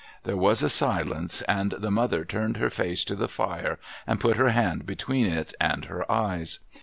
There was a silence, and the mother turned her face to the fire and put her hand between it and her eyes.